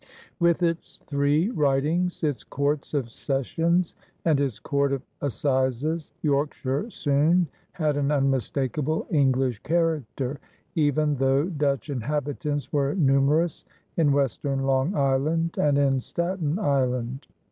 With its three ridings, its courts of sessions, and its court of assizes, Yorkshire soon had an unmistakable English character even though Dutch inhabitants were numerous in western Long Island and in Staten Island.